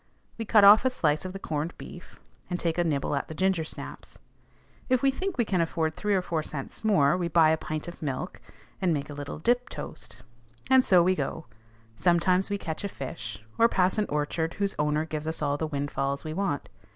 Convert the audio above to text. We cut off a slice of the corned beef, and take a nibble at the ginger snaps. If we think we can afford three or four cents more, we buy a pint of milk, and make a little dip toast. And so we go; sometimes we catch a fish, or pass an orchard whose owner gives us all the windfalls we want.